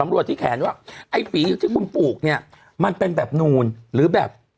รวดที่แขนว่าไอ้ฝีอยู่ที่คุณปลูกเนี่ยมันเป็นแบบนูนหรือแบบ